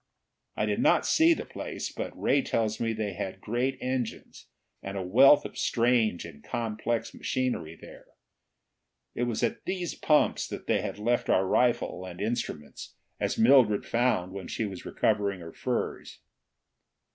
I did not see the place, but Ray tells me that they had great engines and a wealth of strange and complex machinery there. It was at these pumps that they had left our rifle and instruments, as Mildred found when she was recovering her furs.